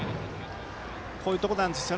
こういうところなんですよ。